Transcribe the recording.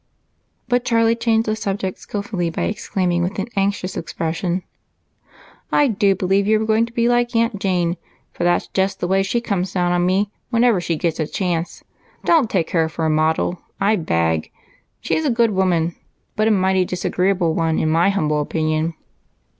But Charlie changed the subject skillfully by exclaiming with an anxious expression: "I do believe you are going to be like Aunt Jane, for that's just the way she comes down on me whenever she gets the chance! Don't take her for a model, I beg she is a good woman but a mighty disagreeable one in my humble opinion."